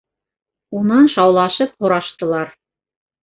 Унан шаулашып һораштылар.